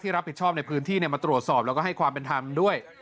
รับผิดชอบในพื้นที่มาตรวจสอบแล้วก็ให้ความเป็นธรรมด้วย